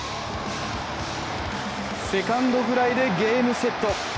セカンドフライでゲームセット。